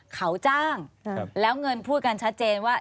เขาจ้างแล้วเงินพูดกันชัดเจนว่า